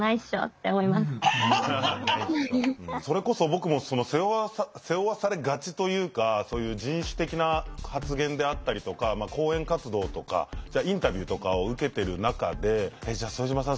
それこそ僕も背負わされがちというかそういう人種的な発言であったりとか講演活動とかインタビューとかを受けてる中で「じゃあ副島さん